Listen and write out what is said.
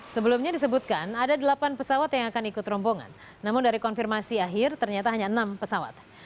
sebelumnya disebutkan ada delapan pesawat yang akan ikut rombongan namun dari konfirmasi akhir ternyata hanya enam pesawat